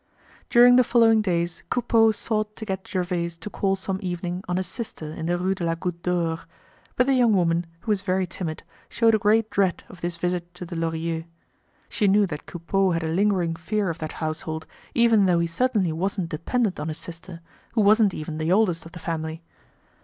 During the following days Coupeau sought to get Gervaise to call some evening on his sister in the Rue de la Goutte d'Or; but the young woman, who was very timid, showed a great dread of this visit to the Lorilleux. She knew that Coupeau had a lingering fear of that household, even though he certainly wasn't dependent on his sister, who wasn't even the oldest of the family.